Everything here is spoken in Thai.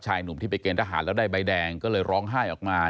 หนุ่มที่ไปเกณฑหารแล้วได้ใบแดงก็เลยร้องไห้ออกมา